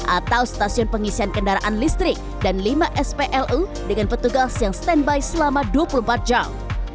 atau stasiun pengisian kendaraan listrik dan lima splu dengan petugas yang standby selama dua puluh empat jam